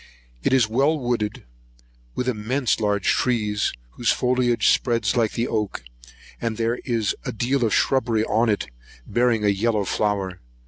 [129 2] It is well wooded with immense large trees, whose foliage spreads like the oak; and there is a deal of shrubbery on it, bearing a yellow flower.